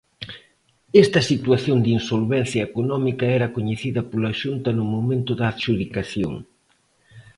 Esta situación de insolvencia económica era coñecida pola Xunta no momento da adxudicación.